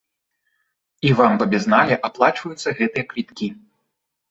І вам па безнале аплачваюцца гэтыя квіткі.